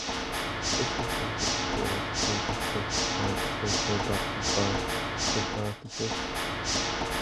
This included calls for the six points later adopted by the Chartists.